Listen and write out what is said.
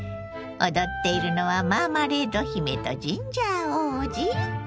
踊っているのはマーマレード姫とジンジャー王子？